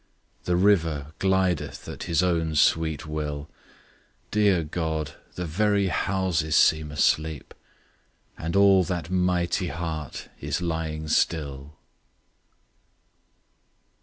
The river glideth at his own sweet will: Dear God! the very houses seem asleep; And all that mighty heart is lying still!